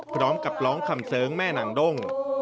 พร้อมกับร้องคำเสริงแม่นางด้ง